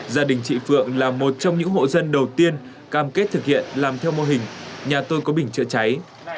gia đình chị phượng là một trong những hộ dân đầu tiên cam kết thực hiện làm theo mô hình nhà tôi có bình chữa cháy